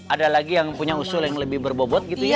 ada lagi yang punya usul yang lebih berbobot gitu ya